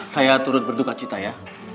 saya turut berduka cita ya